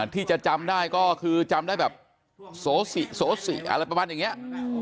ที่จะจำได้ก็คือจำได้แบบโสสิโสสิอะไรประมาณอย่างนี้